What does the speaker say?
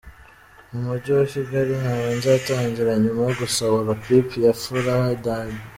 mu mujyi wa Kigali, nkaba nzatangira nyuma yo gusohora clip ya Furah Day na.